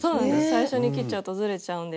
最初に切っちゃうとずれちゃうんで。